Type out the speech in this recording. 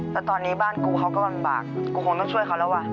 แล้วตอนนี้บ้านกูเขาก็ลำบากกูคงต้องช่วยเขาแล้วว่ะ